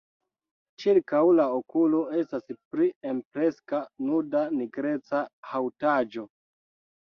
Ĉirkaŭ la okulo estas pli ampleksa nuda nigreca haŭtaĵo.